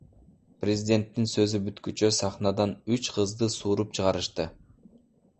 Президенттин сөзү бүткүчө сахнадан үч кызды сууруп чыгарышты.